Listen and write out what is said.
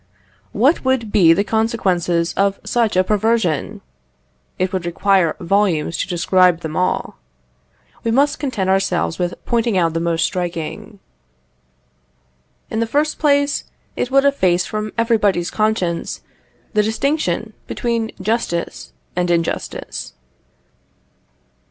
What would be the consequences of such a perversion? It would require volumes to describe them all. We must content ourselves with pointing out the most striking. In the first place, it would efface from everybody's conscience the distinction between justice and injustice.